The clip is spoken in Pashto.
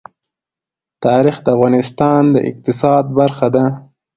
تاریخ د افغانستان د اقتصاد برخه ده.